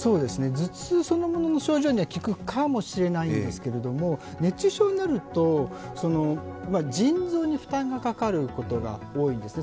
頭痛そのものの症状には効くかもしれないんですが、熱中症になると、腎臓に負担がかかることが多いんですね。